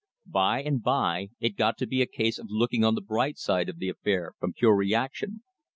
By and by it got to be a case of looking on the bright side of the affair from pure reaction.